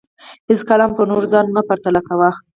هېڅکله هم په نورو ځان مه پرتله کوه